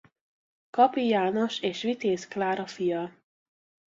Kapi János és Vitéz Klára fia.